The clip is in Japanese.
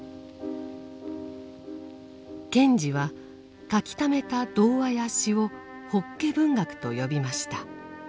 賢治は書きためた童話や詩を「法華文学」と呼びました。